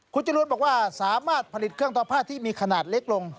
คุณจรูนบอกว่าสามารถผลิตเครื่องต่อผ้าที่มีขนาดเล็กลง